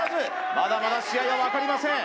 まだまだ試合は分かりません